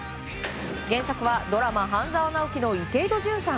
原作はドラマ「半沢直樹」の池井戸潤さん。